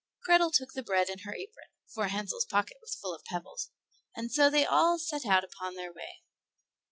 Grethel took the bread in her apron, for Hansel's pocket was full of pebbles; and so they all set out upon their way.